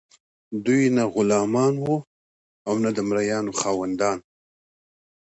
دوی نه غلامان وو او نه د مرئیانو خاوندان.